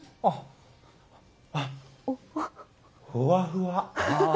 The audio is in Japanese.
ふわふわ！